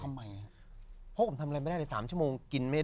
เพราะผมทำอะไรไม่ได้เลย๓ชั่วโมง